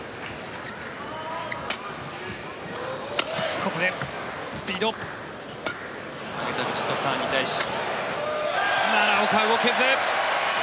ここでスピード上げたヴィチットサーンに対し奈良岡、動けず。